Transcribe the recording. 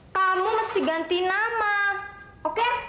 kamu mesti ganti nama oke